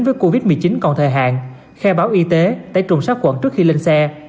với covid một mươi chín còn thời hạn khai báo y tế tay trùng sát quẩn trước khi lên xe